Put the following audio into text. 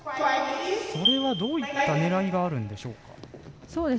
それはどういった狙いがあるんでしょうか？